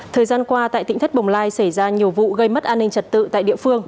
thời gian qua tại tỉnh thất bồng lai xảy ra nhiều vụ gây mất an ninh trật tự tại địa phương